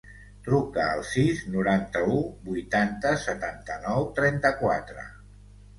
Truca al sis, noranta-u, vuitanta, setanta-nou, trenta-quatre.